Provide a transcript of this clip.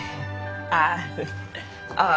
ああ。